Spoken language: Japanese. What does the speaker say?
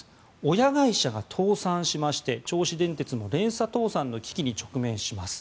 親会社が倒産しまして銚子電鉄も連鎖倒産の危機に直面します。